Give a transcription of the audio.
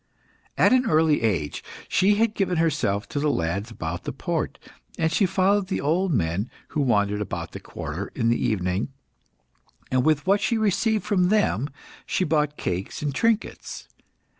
At an early age, she had given herself to the lads about the port, and she followed the old men who wandered about the quarter in the evening, and with what she received from them she bought cakes and trinkets.